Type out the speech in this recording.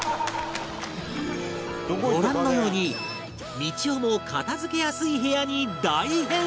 ご覧のようにみちおも片付けやすい部屋に大変身！